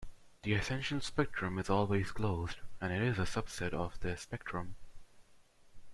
The essential spectrum is always closed, and it is a subset of the spectrum.